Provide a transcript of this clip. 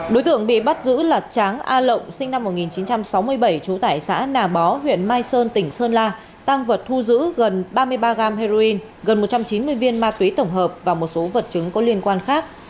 đối tượng bị bắt giữ là tráng a lộng sinh năm một nghìn chín trăm sáu mươi bảy trú tại xã nà bó huyện mai sơn tỉnh sơn la tăng vật thu giữ gần ba mươi ba gam heroin gần một trăm chín mươi viên ma túy tổng hợp và một số vật chứng có liên quan khác